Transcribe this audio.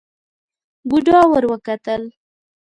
بوډا ور وکتل.